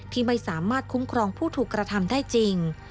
ที่ไม่สามารถคุ้มครองผู้ถูกกระทำได้จริง